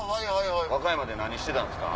和歌山で何してんたんですか？